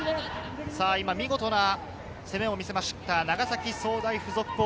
見事な攻めを見せました長崎総大附属。